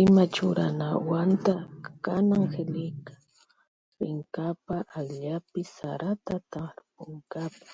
Ima churanawanta kana Angélica rinkapa allpapi sarata tarpunkapa.